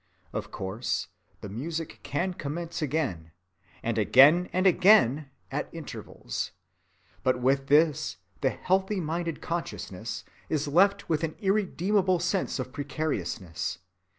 Of course the music can commence again;—and again and again,—at intervals. But with this the healthy‐minded consciousness is left with an irremediable sense of precariousness.